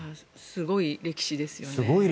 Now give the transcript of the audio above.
すごい歴史ですよね。